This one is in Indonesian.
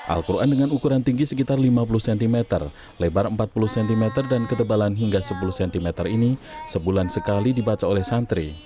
al quran dengan ukuran tinggi sekitar lima puluh cm lebar empat puluh cm dan ketebalan hingga sepuluh cm ini sebulan sekali dibaca oleh santri